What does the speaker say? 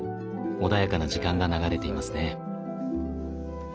穏やかな時間が流れていますね。